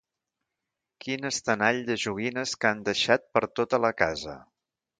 Quin estenall de joguines que han deixat per tota la casa!